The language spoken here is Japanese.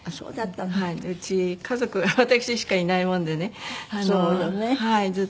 でうち家族が私しかいないもんでね。